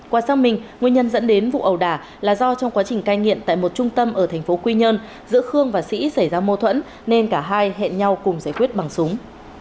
qua xác minh nguyên nhân dẫn đến vụ ẩu đả là do trong quá trình cai nghiện tại một trung tâm ở thành phố quy nhơn giữa khương và sĩ xảy ra mâu thuẫn nên cả hai hẹn nhau cùng giải quyết bằng súng